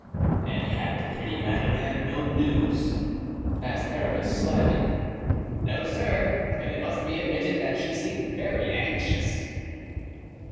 "And had the pretty Madeleine no news?" asked Aramis, smiling. "No, sir, and it must be admitted that she seemed very anxious."